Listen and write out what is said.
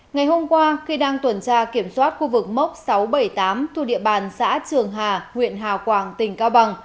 ngày hôm qua khi đang tuần tra kiểm soát khu vực mốc sáu trăm bảy mươi tám thu địa bàn xã trường hà huyện hào quảng tỉnh cao bằng